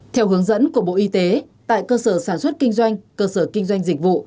theo hướng dẫn của bộ y tế tại cơ sở sản xuất kinh doanh cơ sở kinh doanh dịch vụ